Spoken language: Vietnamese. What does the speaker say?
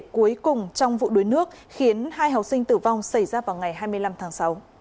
cuối cùng trong vụ đuối nước khiến hai học sinh tử vong xảy ra vào ngày hai mươi năm tháng sáu